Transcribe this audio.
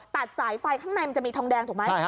ตัดสายไฟข้างในมันจะมีทองแดงถูกไหม